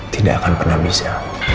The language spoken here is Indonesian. tidak akan pernah bisa